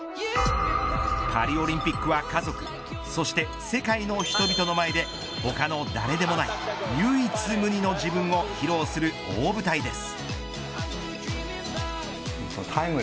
パリオリンピックは家族そして世界の人々の前で他の誰でもない唯一無二の自分を披露する大舞台です。